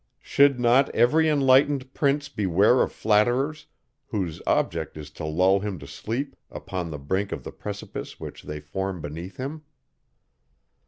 Should not every enlightened prince beware of flatterers, whose object is to lull him to sleep upon the brink of the precipice which they form beneath him?